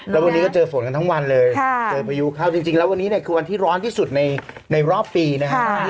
แล้ววันนี้ก็เจอฝนกันทั้งวันเลยเจอพายุเข้าจริงแล้ววันนี้เนี่ยคือวันที่ร้อนที่สุดในรอบปีนะฮะ